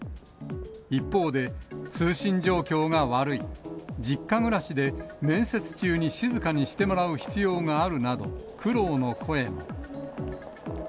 一方で、通信状況が悪い、実家暮らしで面接中に静かにしてもらう必要があるなど、苦労の声も。